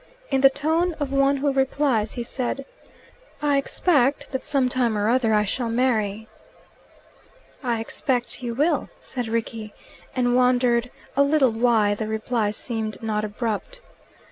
In the tone of one who replies, he said, "I expect that some time or other I shall marry." "I expect you will," said Rickie, and wondered a little why the reply seemed not abrupt.